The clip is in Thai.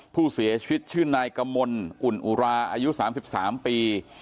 ผู้เสียชีวิตชื่อนายกมลอุ่นอุราอายุ๓๓ปี